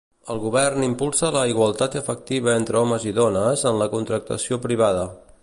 El govern impulsa la igualtat efectiva entre homes i dones en la contractació privada.